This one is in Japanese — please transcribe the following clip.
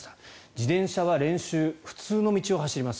自転車は練習で普通の道を走ります。